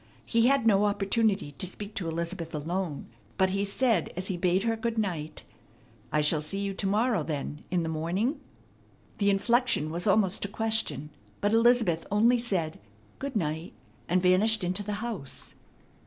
He had no opportunity to speak to Elizabeth alone, but he said as he bade her good night, "I shall see you to morrow, then, in the morning?" The inflection was almost a question; but Elizabeth only said, "Good night," and vanished into the house.